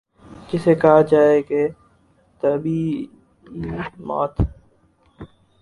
جسے کہا جائے کہ طبیعی موت